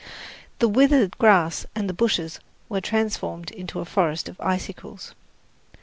The withered grass and the bushes were transformed into a forest of icicles.